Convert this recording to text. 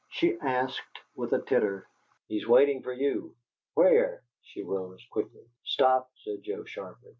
she asked, with a titter. "He's waiting for you." "Where?" She rose quickly. "Stop," said Joe, sharply.